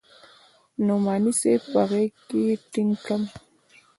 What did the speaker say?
نعماني صاحب په غېږ کښې ټينګ کړم.